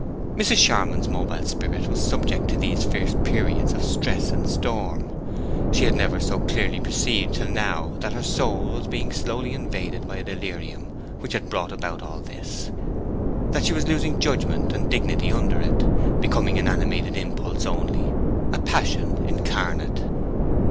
Mrs. Charmond's mobile spirit was subject to these fierce periods of stress and storm. She had never so clearly perceived till now that her soul was being slowly invaded by a delirium which had brought about all this; that she was losing judgment and dignity under it, becoming an animated impulse only, a passion incarnate.